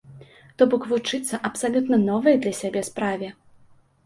То бок вучыцца абсалютна новай для сябе справе.